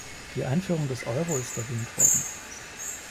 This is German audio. Die Einführung des Euro ist erwähnt worden.